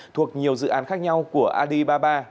thuộc nhiều dự án khác nhau của alibaba